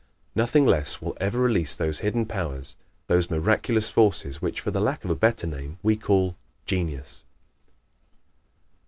Nothing less will ever release those hidden powers, those miraculous forces which, for the lack of a better name, we call "genius."